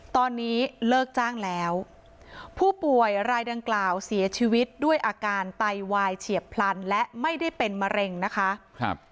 ตอนนี้เลิกจ้างแล้วผู้ป่วยรายดังกล่าวเสียชีวิตด้วยอาการไตวายเฉียบพลันและไม่ได้เป็นมะเร็งนะคะครับ